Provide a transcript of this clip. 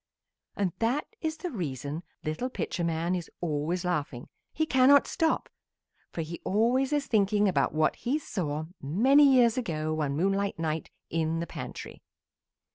And that is the reason little Pitcher man is always laughing. He cannot stop, for he always is thinking about what he saw many years ago one moonlight night in the pantry.